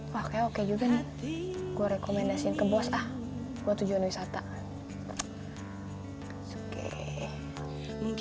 kalo mau anak di sini piri gak mau bougu